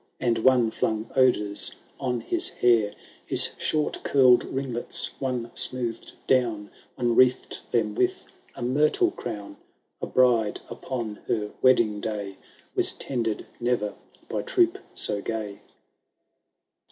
And one flung odours on his hair ; His short curPd ringlets one smoothM down, One wreathed them with a myrtle crown. A bride upon her wedding day. Was tended ne*er by troop so gay.